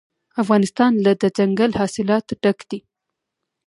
افغانستان له دځنګل حاصلات ډک دی.